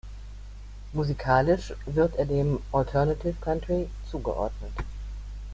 Musikalisch wird er dem Alternative Country zugeordnet.